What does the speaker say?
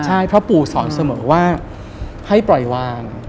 ใช่เพราะปู่สอนเสมอว่าให้ปล่อยวาง